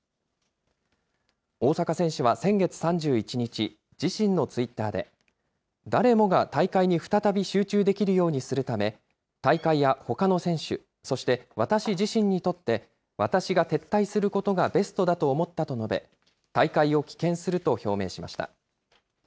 大坂選手は先月３１日、自身のツイッターで、誰もが大会に再び集中できるようにするため、大会やほかの選手、そして私自身にとって、私が撤退することがベストだと思ったと述べ、大会を棄権すると表明しました。